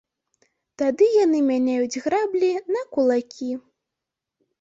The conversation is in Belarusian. Тады яны мяняюць граблі на кулакі.